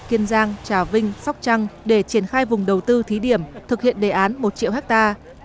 kiên giang trà vinh sóc trăng để triển khai vùng đầu tư thí điểm thực hiện đề án một triệu hectare